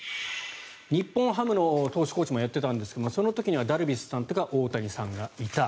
日本ハムの投手コーチもやってたんですがその時にはダルビッシュさんとか大谷さんがいた。